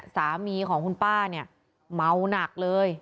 สามีของคุณป้าเนี่ยเมาหนักเลย